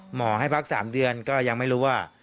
หมอให้พัก๓เดือนก็ยังไม่รู้ว่า